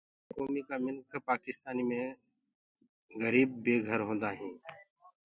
گھِيآرآ ڪوميٚ ڪآ منک پآڪِسآنيٚ مي گريب بي گھر هونٚدآ هينٚ